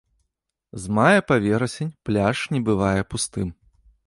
З мая па верасень пляж не бывае пустым.